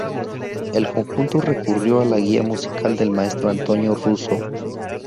El conjunto recurrió a la guía musical del maestro Antonio Russo.